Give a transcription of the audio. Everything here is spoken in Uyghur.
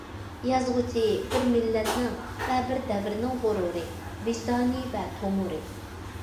يازغۇچى بىر مىللەتنىڭ ۋە بىر دەۋرنىڭ غۇرۇرى، ۋىجدانى ۋە تومۇرى.